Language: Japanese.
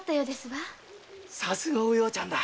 さすがお葉ちゃんだ。